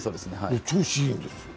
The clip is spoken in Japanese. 調子いいんですよ。